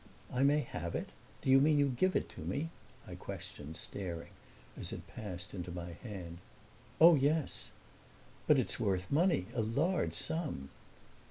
"I may have it do you mean you give it to me?" I questioned, staring, as it passed into my hand. "Oh, yes." "But it's worth money a large sum."